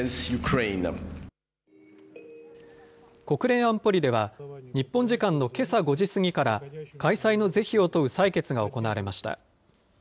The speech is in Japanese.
国連安保理では、日本時間のけさ５時過ぎから、開催の是非を問う採決が行われました。